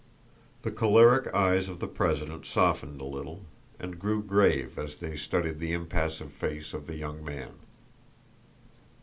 The choleric eyes of the president softened a little, and grew grave as they studied the impassive face of the young man.